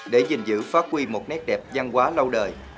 để gìn giữ phát huy một nét đẹp văn hóa lâu đời